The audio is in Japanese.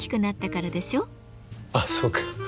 あっそうか。